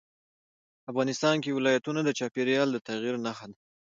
افغانستان کې ولایتونه د چاپېریال د تغیر نښه ده.